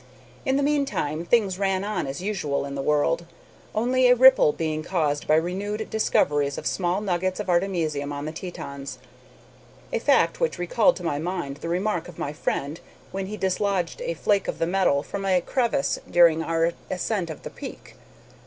In the meantime things ran on as usual in the world, only a ripple being caused by renewed discoveries of small nuggets of artemisium on the Tetons, a fact which recalled to my mind the remark of my friend when he dislodged a flake of the metal from a crevice during our ascent of the peak.